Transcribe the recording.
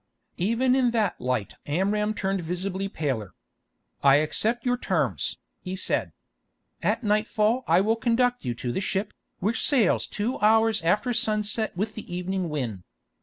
Even in that light Amram turned visibly paler. "I accept your terms," he said. "At nightfall I will conduct you to the ship, which sails two hours after sunset with the evening wind.